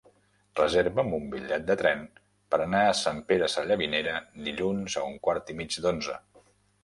Reserva'm un bitllet de tren per anar a Sant Pere Sallavinera dilluns a un quart i mig d'onze.